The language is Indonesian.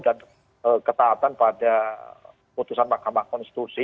dan ketaatan pada putusan mahkamah konstitusi